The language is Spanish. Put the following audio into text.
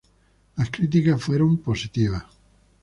Las críticas fueron positivas.